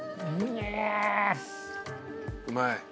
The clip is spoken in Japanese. うまい？